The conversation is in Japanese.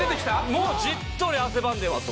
もうじっとり汗ばんでます